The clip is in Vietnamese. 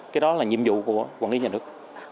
cái đó là nhiệm vụ của quản lý nhà nước